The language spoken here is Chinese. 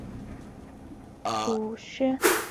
另译朴宣浩。